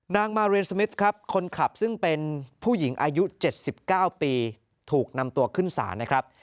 นางมาเรนสมิสครับคนขับซึ่งเป็นผู้หญิงอายุ๗๙ปีถูกนำตัวขึ้นศาลนะครับ